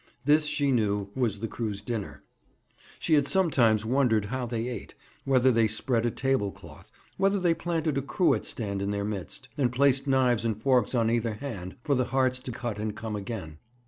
This she knew was the crew's dinner. She had sometimes wondered how they ate: whether they spread a table cloth; whether they planted a cruet stand in their midst, and placed knives and forks on either hand, for the hearts to cut and come again.